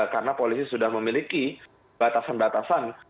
karena polisi sudah memiliki batasan batasan